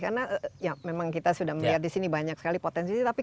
karena memang kita sudah melihat di sini banyak sekali potensi